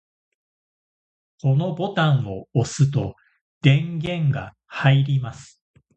このボタンを押すと電源が入ります。